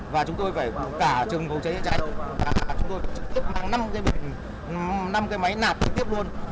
và chúng tôi phải cả trường hồ cháy cháy và chúng tôi phải trực tiếp bằng năm cái bình năm cái máy nạp trực tiếp luôn